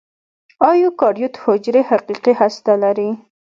ایوکاریوت حجرې حقیقي هسته لري.